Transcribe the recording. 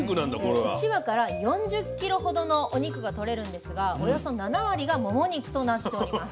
１羽から４０ｋｇほどのお肉が取れるんですがおよそ７割がモモ肉となっております。